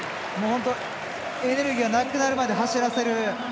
本当、エネルギーがなくなるまで走らせる。